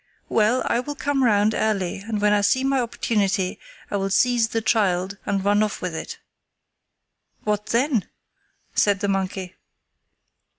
Well, I will come round early and when I see my opportunity I will seize the child and run off with it." "What then?" said the monkey.